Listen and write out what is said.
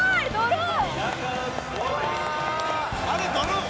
あれドローン？